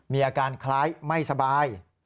มีอาการคล้ายไม่สบาย